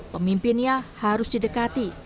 pemimpinnya harus didekati